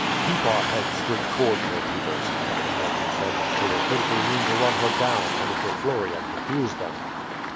"Keep our head straight towards her, Peters," Captain Martin said. "They will think we mean to run her down, and it will flurry and confuse them."